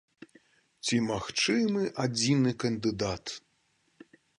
Ці магчымы адзіны кандыдат?